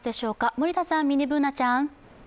森田さん、ミニＢｏｏｎａちゃん。